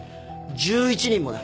１１人もだ。